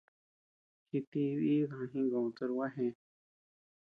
Jitií diiyu daá jingö toch gua jee.